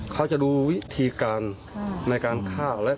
เขาจะดูวิธีการในการฆ่า